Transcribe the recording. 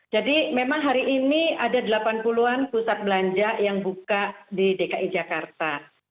jadi memang hari ini ada delapan puluhan pusat belanja yang buka di dki jakarta